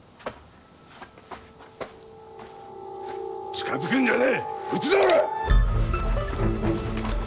近づくんじゃねえ撃つぞ！